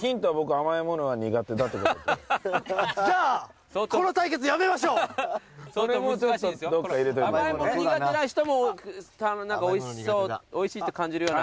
甘いもの苦手な人もおいしいって感じるような。